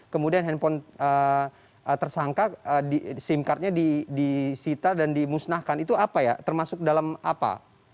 kemudian handphone tersangka sim cardnya disita dan dimusnahkan itu apa ya termasuk dalam apa